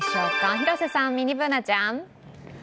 広瀬さん、ミニＢｏｏｎａちゃん。